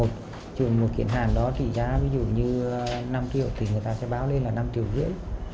thì trưởng một viện hàng đó tỷ giá ví dụ như năm triệu thì người ta sẽ báo lên là năm triệu rưỡi